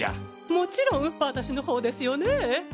もちろん私の方ですよね？